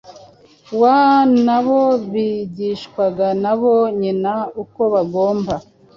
wa na bo bigishwaga na ba nyina uko bagomba